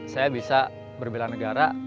saya bisa berbelanja negara